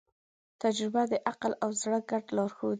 تجربه د عقل او زړه ګډ لارښود دی.